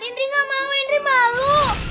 indri nggak mau indri malu